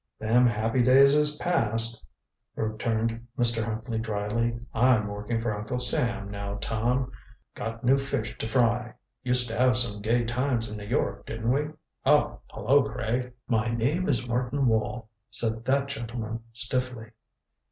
"Them happy days is past," returned Mr. Huntley dryly. "I'm working for Uncle Sam, now, Tom. Got new fish to fry. Used to have some gay times in New York, didn't we? Oh, hello, Craig!" "My name is Martin Wall," said that gentleman stiffly.